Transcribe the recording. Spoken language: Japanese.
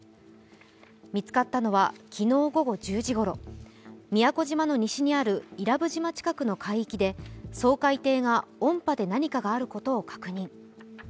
見つかったのは昨日午後１０時ごろ、宮古島の西にある伊良部島近くの海域で掃海艇が、音波で何かがあることを確認。